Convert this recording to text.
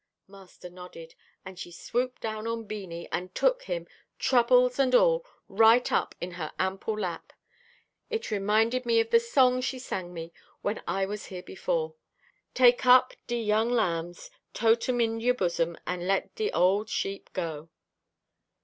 Master nodded, and she swooped down on Beanie, and took him, troubles and all, right up in her ample lap. It reminded me of the song she sang me when I was here before. "Take up de young lambs, tote 'em in your bosom, an' let de ole sheep go."